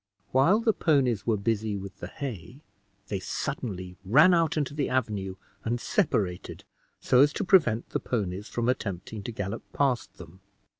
While the ponies were busy with the hay, they suddenly ran out into the avenue and separated, so as to prevent the ponies from attempting to gallop past them.